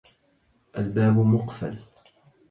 الباب مقفل.